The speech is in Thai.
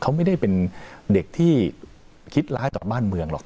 เขาไม่ได้เป็นเด็กที่คิดร้ายต่อบ้านเมืองหรอก